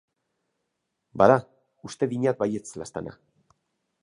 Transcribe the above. Bada, uste dinat baietz, laztana.